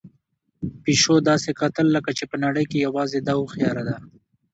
پيشو داسې کتل لکه چې په نړۍ کې یوازې ده هوښیار ده.